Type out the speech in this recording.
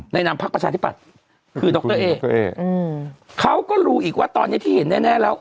นามพักประชาธิปัตย์คือดรเอกเขาก็รู้อีกว่าตอนนี้ที่เห็นแน่แล้ว